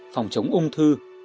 phòng chống ung thư